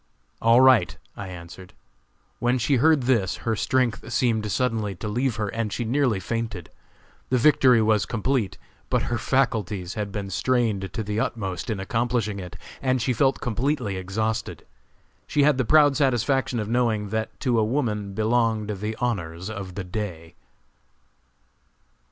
"All right," I answered. When she heard this her strength seemed suddenly to leave her, and she nearly fainted. The victory was complete, but her faculties had been strained to the utmost in accomplishing it, and she felt completely exhausted. She had the proud satisfaction of knowing that to a woman belonged the honors of the day.